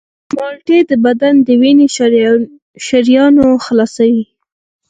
مالټې د بدن د وینې شریانونه خلاصوي.